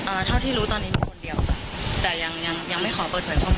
เอ่อเท่าที่รู้ตอนนี้มีคนเดียวค่ะแต่ยังไม่ขอเปิดเผยความคิด